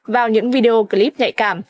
vào những video clip nhạy cảm